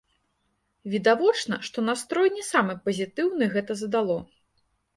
Відавочна, што настрой не самы пазітыўны гэта задало.